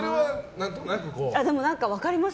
でも分かります